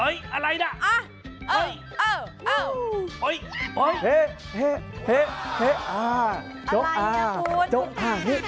ยังไง